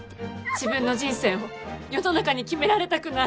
自分の人生を世の中に決められたくない。